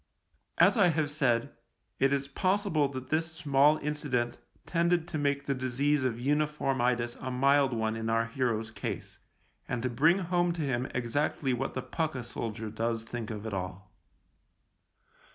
As I have said, it is possible that this small incident tended to make the disease of unif orm itis a mild one in our hero's case, and to bring home to him exactly what the pukka soldier does think of it all.